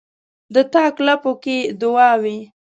د تاک لپو کښې دعاوې،